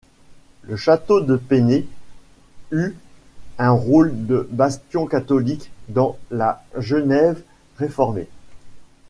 Le château de Peney eut un rôle de bastion catholique dans la Genève réformée.